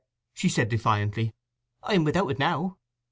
she said defiantly, "I am without it now!"